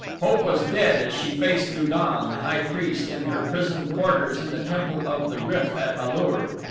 Hope was dead as she faced Lu don, the high priest, in her prison quarters in the Temple of the Gryf at A lur.